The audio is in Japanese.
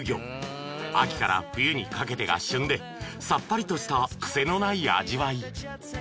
［秋から冬にかけてが旬でさっぱりとしたくせのない味わい］